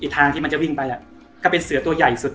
ทางที่มันจะวิ่งไปก็เป็นเสือตัวใหญ่สุด